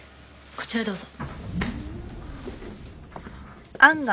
こちらへどうぞ。